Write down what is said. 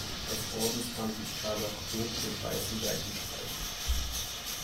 Das Ordensband ist scharlach rot mit weißen Seitenstreifen.